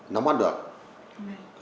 nắm mắt được